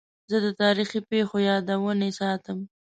زه د تاریخي پیښو یادونې ساتم.